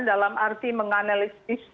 dalam arti menganalisis